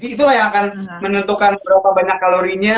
itulah yang akan menentukan berapa banyak kalorinya